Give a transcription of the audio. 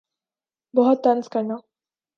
بَہُت طنز کرنا